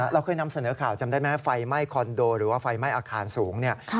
การยำเสนอข่าวจำได้ไหมไฟม่ายคอนโดหรือว่าไฟม่ายอาคารสูงเนี่ย